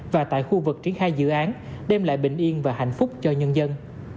và tại khu vực triển khai dự án đem lại bình yên và hạnh phúc cho nhân dân